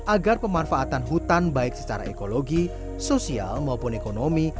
agar pemanfaatan hutan baik secara ekologi sosial maupun ekonomi